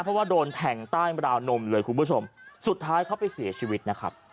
เพราะว่าโดนแทงใต้ราวนมเลยคุณผู้ชมสุดท้ายเขาไปเสียชีวิตนะครับ